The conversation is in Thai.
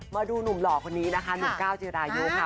มาดูหนุ่มหล่อคนนี้นะคะหนุ่มก้าวจิรายุค่ะ